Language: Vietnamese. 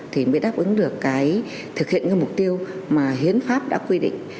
thì mới đáp ứng được cái thực hiện cái mục tiêu mà hiến pháp đã quy định